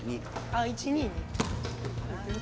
ああ１２２。